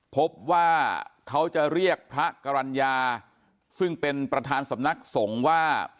พบว่าเขาจะเรียกพระกรรณญาซึ่งเป็นประธานสำนักสงฆ์ว่า